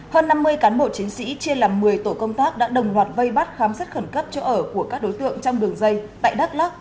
hơn năm mươi cán bộ chiến sĩ chia làm một mươi tổ công tác đã đồng loạt vây bắt khám xét khẩn cấp chỗ ở của các đối tượng trong đường dây tại đắk lắc